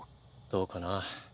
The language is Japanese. どうかな。